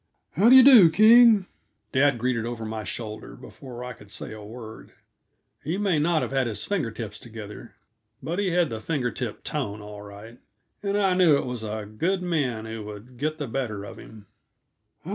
"How d'y' do, King?" Dad greeted over my shoulder, before I could say a word. He may not have had his finger tips together, but he had the finger tip tone, all right, and I knew it was a good man who would get the better of him.